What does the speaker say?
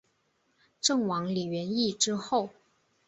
郑王李元懿之后。